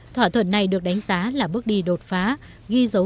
thỏa thuận này được đánh giá là bức thư